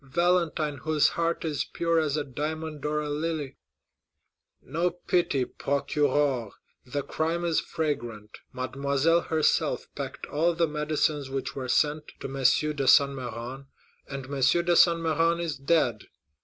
Valentine, whose heart is pure as a diamond or a lily!" "No pity, procureur; the crime is fragrant. Mademoiselle herself packed all the medicines which were sent to M. de Saint Méran; and M. de Saint Méran is dead.